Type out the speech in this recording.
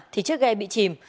thì chiếc ghe bị chìm